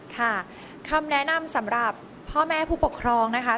ค่ะคำแนะนำสำหรับพ่อแม่ผู้ปกครองนะคะ